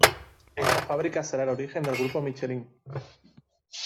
Esta fábrica será el origen del grupo Michelin.